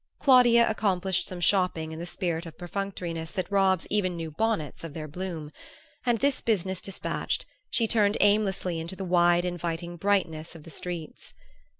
Claudia accomplished some shopping in the spirit of perfunctoriness that robs even new bonnets of their bloom; and this business despatched, she turned aimlessly into the wide inviting brightness of the streets.